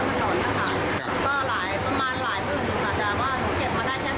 ก็หลายประมาณหลายหมื่นอาจารย์ว่าหนูเก็บมาได้แค่๓นาที